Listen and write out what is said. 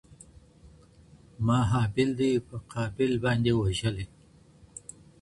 ما هابيل دئ په قابيل باندي وژلى